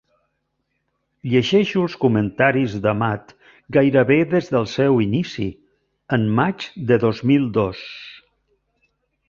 Llegeixo els comentaris d'Amat gairebé des del seu inici, en maig de dos mil dos.